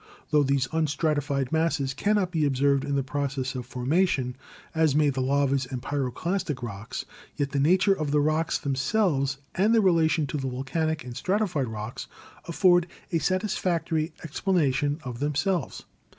Tho these unstratified masses cannot be observed in the process of formation, as may the lavas and pyroclastic rocks, yet the nature of the rocks themselves, and their relations to the volcanic and stratified rocks, afford a satisfactory explanation of themselves.